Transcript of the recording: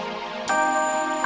aduh itu dengerin gak